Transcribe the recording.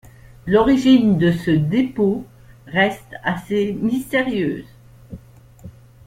L'origine de ce dépôt reste assez mystérieuse.